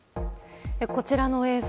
こちらの映像